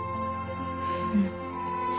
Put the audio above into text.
うん。